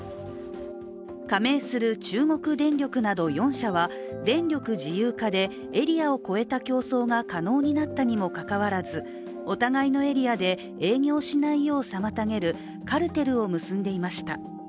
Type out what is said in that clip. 加盟する中国電力など４社は、電力自由化でエリアを超えた競争が可能になったにもかかわらずお互いのエリアで営業しないよう妨げるカルテルを結んでいました。